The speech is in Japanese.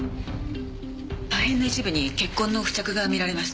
破片の一部に血痕の付着が見られました。